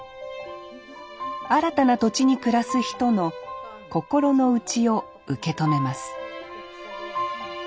新たな土地に暮らす人の心の内を受け止めます